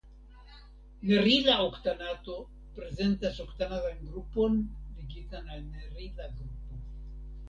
Nerila oktanato prezentas oktanatan grupon ligitan al nerila grupo.